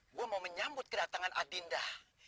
gue mau menyambut kedatangan adinda